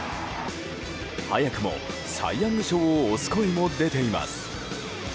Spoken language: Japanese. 早くもサイ・ヤング賞を推す声も出ています。